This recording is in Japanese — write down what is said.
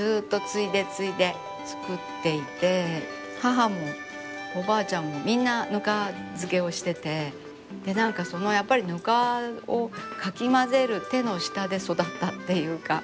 母もおばあちゃんもみんなぬか漬けをしてて何かやっぱりぬかをかき混ぜる手の下で育ったっていうか。